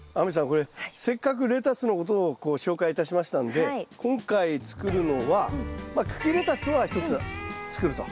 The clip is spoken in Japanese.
これせっかくレタスのことをこう紹介いたしましたんで今回作るのはまあ茎レタスは１つ作ると。